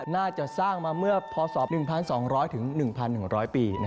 น่าจะสร้างมาเมื่อพศ๑๒๐๐๑๑๐๐ปี